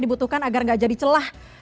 dibutuhkan agar tidak jadi celah